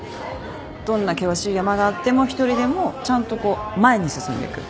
どんな険しい山があっても一人でもちゃんとこう前に進んでいく。